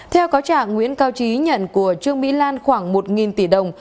theo cáo trả nguyễn cao trí nhận của trương mỹ lan khoảng một tỷ đồng